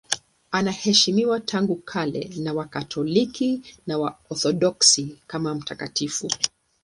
Anaheshimiwa tangu kale na Wakatoliki na Waorthodoksi kama mtakatifu.